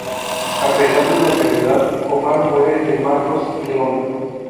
A pesar de la enfermedad, Omar muere de marcos Leona.